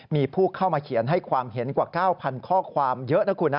มีผู้เข้ามาเขียนให้ความเห็นกว่า๙๐๐ข้อความเยอะนะคุณนะ